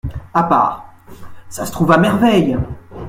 A part, Ca se trouve à merveille !